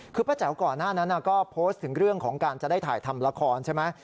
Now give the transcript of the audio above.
คือป้าแจ๋วก่อนหน้านั้นก็โพสต์ถึงเรื่องของการจะได้ถ่ายทำละครใช่ไหม